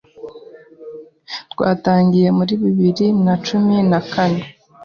Twatangiye muri bibiri na cumi na kane